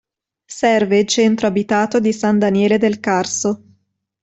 Serve il centro abitato di San Daniele del Carso.